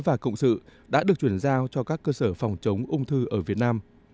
và cộng sự đã được chuyển giao cho các cơ sở phòng chống ung thư ở việt nam